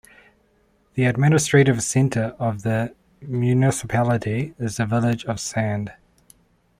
The administrative centre of the municipality is the village of Sand.